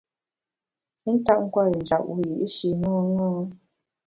I ntap nkwer i njap wiyi’shi ṅaṅâ.